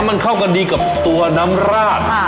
มันเข้ากันดีกับตัวน้ำราด